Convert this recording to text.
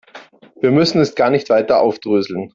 Wir müssen es gar nicht weiter aufdröseln.